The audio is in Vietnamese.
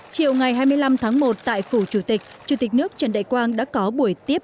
chiều ngày hai mươi năm tháng một tại phủ chủ tịch chủ tịch nước trần đại quang đã có buổi tiếp